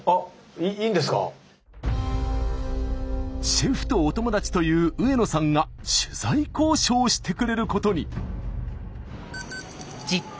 シェフとお友達という上野さんが取材交渉してくれることに。